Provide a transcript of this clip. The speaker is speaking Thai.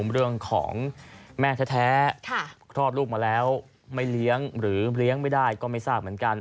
เรื่องของแม่แท้คลอดลูกมาแล้วไม่เลี้ยงหรือเลี้ยงไม่ได้ก็ไม่ทราบเหมือนกัน